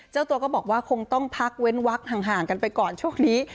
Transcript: เจ้าตัวก็บอกว่าคงต้องพักเว้นวักห่างกันไปก่อนช่วงนี้